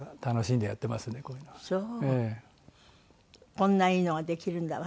こんないいのができるんだわ。